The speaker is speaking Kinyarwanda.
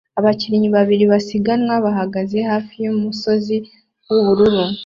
Abakinnyi babiri basiganwa bahagaze hafi yumusozi wubura